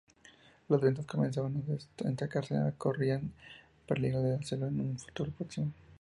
Las ventas comenzaban a estancarse o corrían peligro de hacerlo en un futuro próximo.